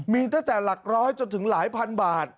มีตั้งแต่หลักร้อยจนถึงหลายพันบาท